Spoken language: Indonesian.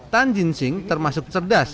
tan jin sing termasuk cerdas